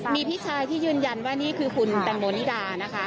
มีพี่ชายที่ยืนยันว่านี่คือคุณแตงโมนิดานะคะ